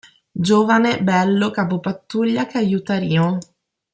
Giovane, bello capo-pattuglia che aiuta Ryo.